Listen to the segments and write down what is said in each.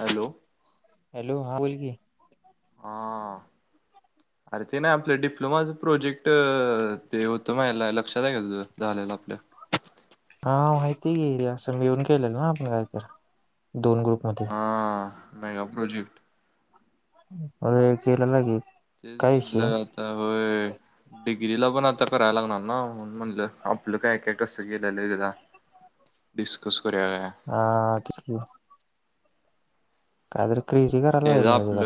Hello hello हां बोल की हम्मं अरे ते नाहीं आपलं डिप्लोमाचं प्रोजेक्ट ते होतं मा यांला लक्षांत आहे कां तुझं झालेलं आपलं हां माहिती गे असं मी येऊन केलेलं नां आपणं कांहीत दोन ग्रुप मध्यें हां मेगा प्रोजेक्ट अरे केलं नां की तेचं म्हटलं आंता होयं डिग्रीला पणं आंता करायंला लागणारं नां म्हणजलं आपलं कायं कायं कसं केलेलं तिला डिस्कस करूं यां हां [unintelligible] तस कदर क्रीजी तेचं आपलं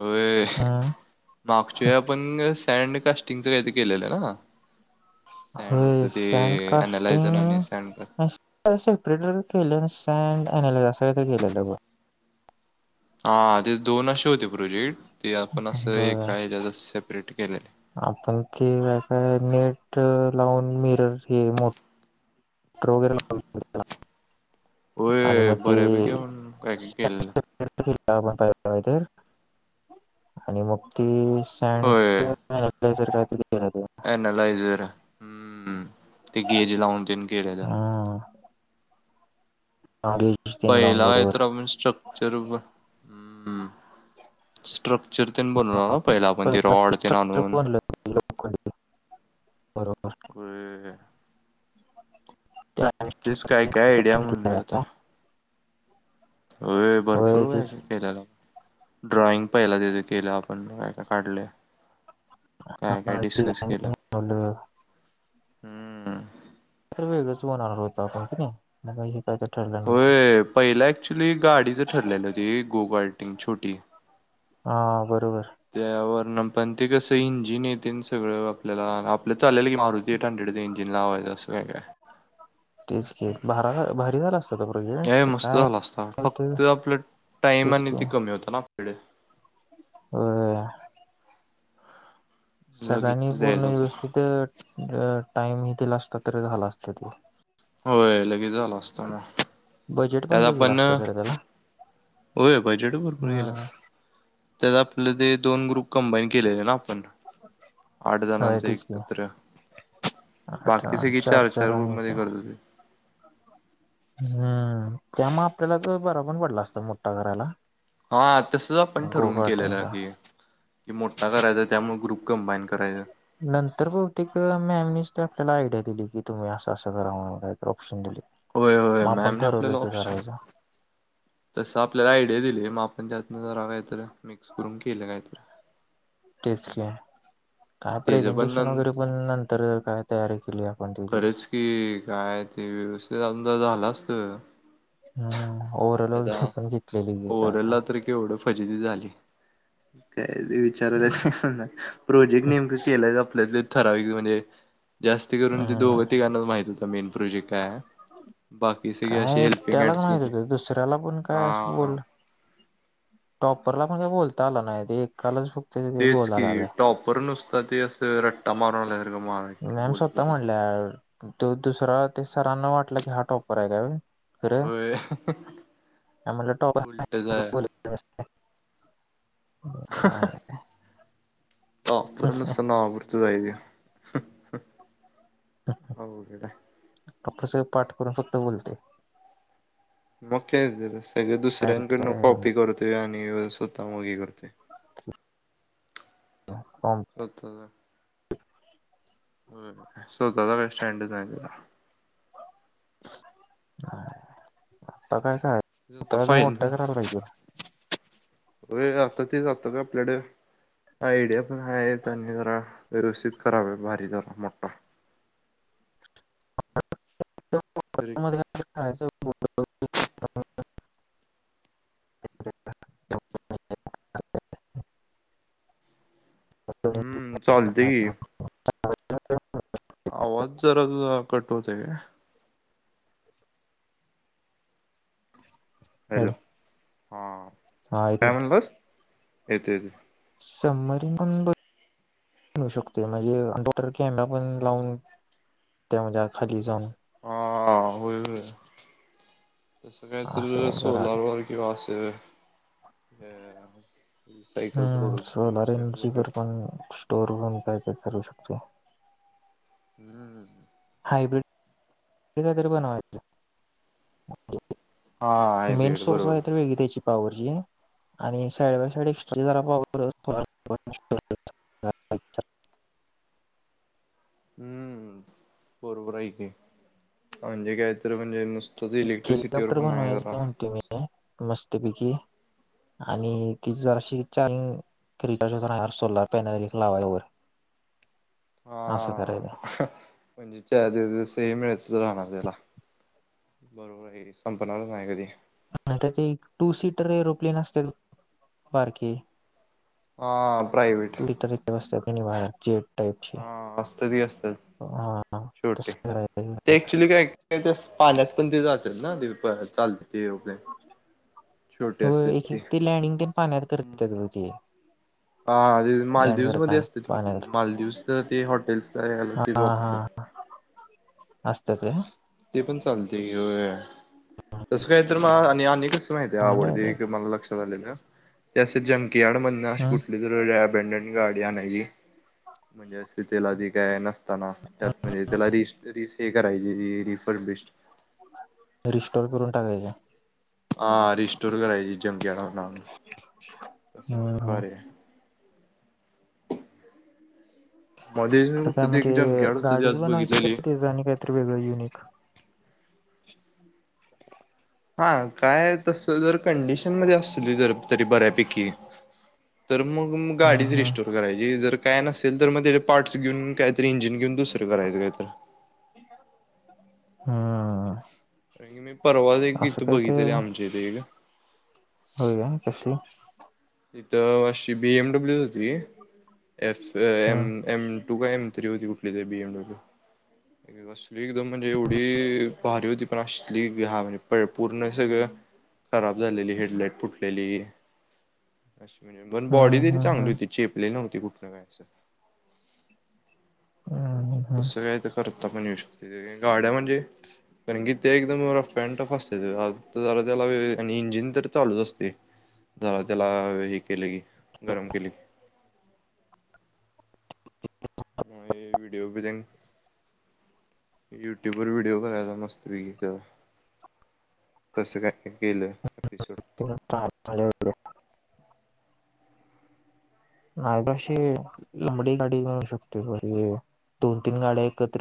अं हां मागच्यां आपणं सँड कास्टिंगचं कांहीत केलेलं आहे नां हो अनालायझर आणि सॅडकास्टिंग सँड सेपरेटर केलं सँड अल असं केलेलं हां ते दोन असे होते प्रोजेक्ट ते आपणं बघ असं एक बर ह्यांच्यात सेपरेट केलेलं आहे आपण ते काय नेट लावून मिरर हे मोठ रोगर आणि होय मग ती बऱ्यापैकी आपण काय काय केलेलं आपण पाहि तर आणि मग त होय सॅटर काय त गला पॅनलाइझर ह् ते गेज लावून देन केऱ्याचा हा ह पहिला आहे तर आपण स्ट्रक्चर स्ट्रक्चर ते बनवला ना पहिला पण ते रॉड ते स्ट्रक्चर आणून बनलं होतं लोखंडी बरोबर हो त्या तेच काय काय आयडिया करून घेतलं म्हणल आहे का? आता हो भरपूर होय व तेच का केल्याला ड्रॉइंग पहिला देत केलं आपण ब काय का काढले काय काय डिस्कस केलं म्हन हम्म तर वेगळंच म्हनणार होत आपण नाही मग त ठर होय पहिला ऍक्च्युली गाडीच ठरलेलं होती गोगटिंग छोटी हा बरोबर त्यावरणपण ते कसं इंजिन येते सगळं आपल्याला आपल्या चालेलं की मारुती तथट हंडडेडजइन जिना होव तर तस आहे तेच घ भारा भारी झालास हे मस्त झाला असता फक्त आपलं टाइम तेच आणि की ते कमी होतं नाडे हम सगळ्यांनी लगेच पूर्ण द्यायचा होता व्यवस्थित टाइमही दिला असता तर झाला असत ते होय लगेच झालं असत ना बजेट पण त्यात लई गेलं आपण असतं खरं त्याला होय बजेट भरपूर हा गेला असत त्या आपलं ते दोन ग्रुप कंबाईन केलेले ना आपण आठ होय जणांच तेच की एकत्र आठ बाकी सळे चार चार ग्रुप आणि काय मध्ये करत हो ते हम्म त्यामुळे आपल्याला तर बरा पण पडला असतं मोठा करायला हा तस आपण ठरवून केलेलं गोगार्टनचा की कि मोठा करायचा त्यामुळे ग्रुप कंबाईन करायचं नंतर बहुतेक मॅमनेच आपल्याला आयडिया दिली की तुम्ही असं असं करा म्ह ऑप्शन दिले होय होय मग आपण मॅमने ठरवलं आपल्याला ते ऑप्शन करायचं तसं आपल्याला आयडिया दिली मग आपण त्यातनं जरा काहीत मिक्स करून केलं काहीत तेच का काय तेज पण प्रेझेंटेशन न वगैरे पण नंतर काय तयारी केली आपण त्याची कि काय ते व्यवस्थित अजून ज झालं असत हम्म ओव्हरऑल वगैरे पण घेतलेली आहे काय काय ओव्हरलला तर केवढं फजिदी झाली काय विचारला नाही प्रोजेक्ट नेमकं केलंय आपल्यातले ठराविक म्हणजे जास्त करून ते हम्म दोघं तिकांनाच माहित होता मेन प्रोजेक्ट काय बाकी सगळी अशी हेल्प त्याला माहती होत दुसऱ्याला पण काय असं बोल टॉपरला मग बोलता आला नाही ते एकालाच फक्त ते तेच कि बोलायला आलं टॉपर नुसता ते अस स रट्टा मारूनणार का मारा बोोल त का काय तो दुसरा ते सरांना वाटलं की हा टॉपर आहे का व्हय. खर होय आम्हाला टॉपर उलटच [unintelligible] हाय नमस्ते हा हा हा ऑफर नुसती नावापुरतीच आहे ती अवघड हाय आपल सर पाठ करून फक्त बोलतयं मग ते सगळ डायरेक्ट दुसऱ्यांकडन काय कॉपी करतोय आणि स्वतः मोगी करतोय. होम बघतो जरा. स्वतःचा बस स्टँडच आहे आपला आता काय कायतर मोठा करायला पाहिजे वेळ झालंता तेच आत्ताच आपल्याकड आयडिया पण आहे त्यांनी जरा व्यवस्थित करावे भारी जरा मोठा. तरी [unintelligible] [unintelligible] हम्म चालतय की आवाज जरा तुजा कट होतोय. हॅलो हां हा ऐक काय म्हणालतास येतोय येतोय समरीबन होऊ शकते म्हणजे मोटर कॅनला लावून त्या त्या म्हणजे खाली जाऊन हा होय होय तसं काय तर असं पण सोलार करायला वर ह्यो असं सायकल हम्म प्रोडक्ट्स घेऊन सोलार असं काय तर एनर्जी वर करूया पण स्टोरवरून काय काय करू शकतो. हम्म हायब्रीडरी हे काय तरी बनवायचं हा मेन हायब्रीड सोर्स बरोबर आहे तर वेगळी त्याची पावरची आणि साईड बाय साईड एक्स्ट्रा जरा [unintelligible] हम्म बरोबर हाय की म्हणजे काय तर म्हणजे नुसत सध्या एक इलेक्ट्रिसिटीवरर पण आहे जरा मस्त पिकी आणि ती जर अशी छान [unintelligible] सोलर पॅनल लावाय वर हा म्हणजे चार्जर चा सेम एक्सेस मिळत राहणार त्याला बरोबर आहे संपनाला मायाकड दे नाहीतर ती टू सीटर एरोप्लेन असत्यात बघ बारकी हा प्रावेट ते बसतात की नाही जेट टाईपची हा असतात की असतात हा हा छोटे तसं करायला पाहिजे ऍक्च्युली काहीतरी काय काय ते ते पाण्यात पण ते जात्यात ना ते चाल ते छोटे होय असतात एक एक ते लॅडिंग ते पाण्यात करतात ते हा लँड मालदीवस मध्ये करताना असतात किती पाण्यात मालदीव तर ते हॉटेल्स तेच वापरतात असत्यात काय ते पण चालतय की व्हय तसं काय तर म आणि आण कस मा चांगलं आवडते आहे ते. म लक्षात आले जंकयाड म्हण कुठ हम्म अपेंडट गाडी आणायची म्हणजे अस त्याला त काय नस ता त्यात म्हणजे त्याला रि रि हे करायची र रिफंड बि रिस्टॉर करून टाकायच आ रिस्टोर करायची जमकस बर तस हम्म मग हम्म. भारिय मध्येच मी तर काय कुठं ते एक म्हणजे जंकयार्ड होतं ते गाडीज आज बनवायची बघितलेली. काय ते जा आणि काहीतरी वेगळं युनिक हा काय तस जर कंडिशन मध्ये असली जर तरी बऱ्यापैकी तर मग हम्म गाडीच हम्म रिस्टोर करायची जर काय नसेल तर मग त्याचे पार्ट्स घेऊन काहीतरी इंजिन घेऊन दुस तर करायचं काय तर हम् कारण की मी परवा दे इथं बघित रे आमच्या इथ एक हो्य काय कसलं तिथं अशी बी एमडब्ल्यू होती एफ, एम, हम्म एम तू का एम थ्री होती कुठली तरी बी एम डब्ल्यू असली एकदम म्हणजे एवढी भारी होती पण असली हा म्हणजे पूर्ण सगळं खराब झालेली हेडलाईट फुटलेली अ म्हज पण बॉडी हम्म तरी हम्म चांगली हम्म होती चेपली नव्हती कुठनं काय असं हम् तसं काय तर करता पण येऊ शकते गाड्या म्हणजे कारण की ते एकदम रफ अँटफ असते ज त्याला इंजिन तर चालूच असतय जरा त्याला हे केल की गरम केल की ह विडिओ ब युट्यूब वर व्हिडिओ करायचा मस्त पैकी त्यजा तसं काय गेलं एपिसोट [unintelligible] नाहीशी लंबडी गाडी मिळू शकते दोन, तीन गाड्या एकत्र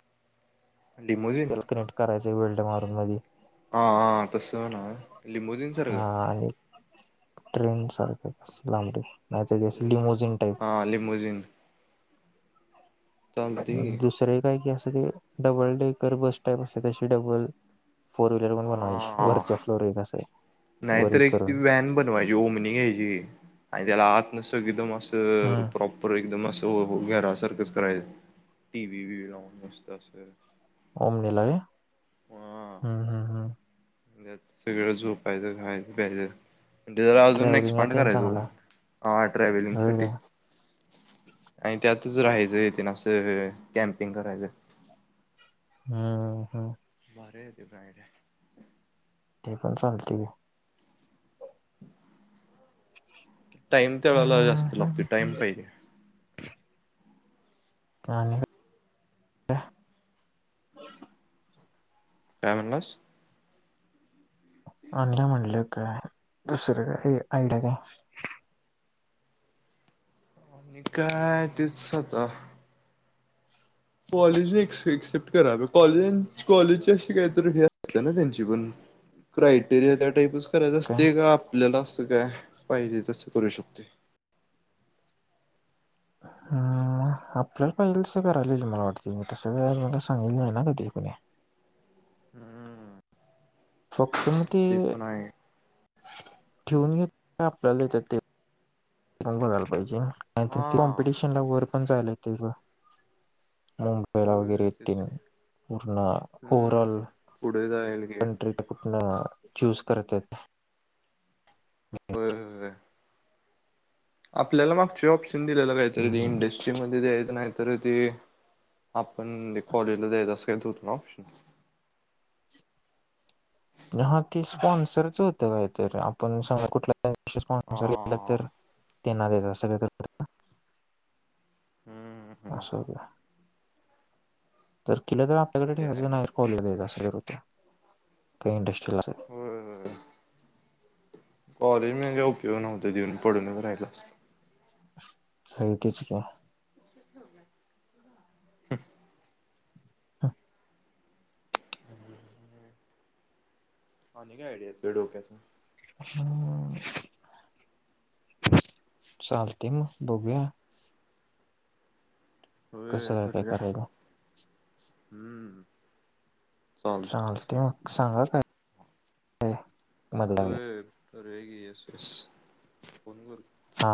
लिमोजिन तेल कनेक्ट करायचे वेल्ड मारून आधी हा, हां तसं ना लिंबोजीन सारखं ट्रेंड सारख अशी लांबडी नाही तर अशी लिमोजिन टाईप हां लिमोजिन चालतंय की दुसरे काय क असं ते डबल डेकर बस टाईप असते तशी डबल फोर व्हीलर पण बनवायची हा वरच्या फ्लोर एक कसं आहे हाय नाहीतर एक ती व्हॅन बनवायची ओमनी घ्यायची आणि त्याला आतन एकदम असं हम्म [unintelligible] र एकदम असं घगैर सर्कस करय टी व ववी लान मस्त असऽ ओमनीला होय ह, ह, ह त्यातच सगळं झोपायचं, खायचं, प्यायचं म्हणे जरा अजून ट्रॅव्हलिंगला एक्सपांड तेन करायच ओ चांगला हा ट्रॅव्हलिंग होय साठी का आणि त्यातच राहायचं ये तेन अस कॅम्पिंग करायचं हम, हम [unintelligible] ते पण चालतय की [unintelligible] टाईम त्या वेळेला जास्त हम्म लागतोय टाइम पायजे आणि काय काय मनलास? अ्नल म्हटलं काय दुसरं काय हे आयडिया काय आणि काय तेच आता कॉलेजने एक्सेप्ट करा ग, कॉलेज कॉलेजची अशी काहीतरी हे असत्याना त्यांची पण, क्रायटेरिया, त्या टाइपच करायच काय असतय का, आपल्याला असं काय पाहिजे तसं करू शकतोय. हम,, आपल्याला पाहिजेल तसं करायलाइल मला वाटतय, मी, तसं काय मला सांगितल नाही ना कधी कुणी हम्म, फक्त मग ते, पण आहे ठेवून घेत, आपल्याला देत्यात ते मग बघायला पाहिजे नाहि तर ती हा कॉम्पिटिशनला वर पण जायाला येते बघ मुंबई मुंबईला वगैरे होय तेच तेन की. पूर्ण ऑरल हम्म पुढे जाईल की हंड्रेड टक्के कुठण, चूज करत्यात होय होय होय आपल्याला मागच्या वेळी ऑप्शन दिलेला कायतरी हम्म इंडेस्ट मध्ये द्यायच नाही, तर ते आपण ते कॉलेजला द्यायचं, असं कायतर होत नव्ह हा, ते स्पॉन्सरच होतं कायतर, आपण संग कुठल्या स्पॉन्सर हा तर, तेना देणार, सगळ तर हम्म हम्म असू द्या तर केलं तर आपल्याकडे ते आहे ठेवायचं नाय कॉलेजला द्यायच असं कायतर होत काय इंडस्ट्रीला होय होय होय कॉलेज म्हणजे उपयोग नव्हता देऊन पडूनच राहिल असतं. हाय. तेच की मग हमम हम, आणि काय आयडिया आहीत, तुझ्या डोक्यातं हा चालतय मग बघूया होय कसं काय काय ठरवूया करायला हम्म. चालतंय चालतय मग सांगा काय मध लागले होय करूया की एस एस फोन करतो. हा,